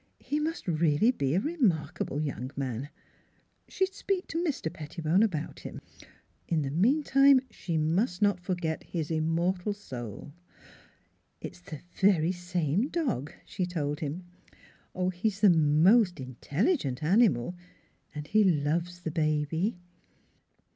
He must really be a remarkable young man. She would speak to Mr. Pettibone about him. ... In the meanwhile she must not forget his immortal soul. " It's the very same dog," she told him. " He's the most intelligent animal, and he loves the baby."